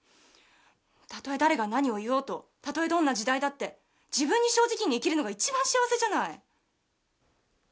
「たとえ誰が何を言おうとたとえどんな時代だって自分に正直に生きるのが一番幸せじゃない」